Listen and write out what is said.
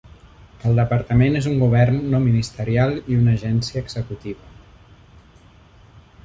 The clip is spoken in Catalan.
El departament és un govern no ministerial i una agència executiva.